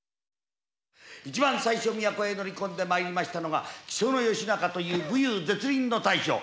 一番最初都へ乗り込んで参りましたのが木曽義仲という武勇絶倫の大将。